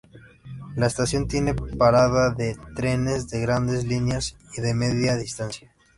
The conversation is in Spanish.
La estación tiene parada de trenes de Grandes Líneas y de Media Distancia.